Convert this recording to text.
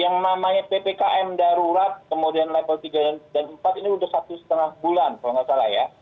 yang namanya ppkm darurat kemudian level tiga dan empat ini sudah satu setengah bulan kalau nggak salah ya